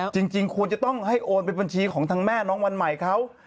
จริงควรจะต้องให้โอนไปบัญชีของทางแม่น้องวันใหม่เขา